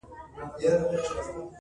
میخانه ده نړېدلې تش له میو ډک خُمونه؛